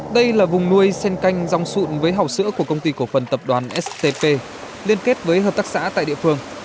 đây là vùng nuôi sen canh rong sụn với hảo sữa của công ty cổ phần tập đoàn stp liên kết với hợp tác xã tại địa phương